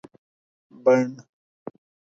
بڼ